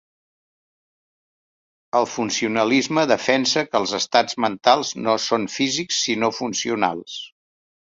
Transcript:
El funcionalisme defensa que els estats mentals no són físics sinó funcionals.